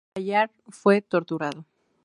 Ballard fue torturado.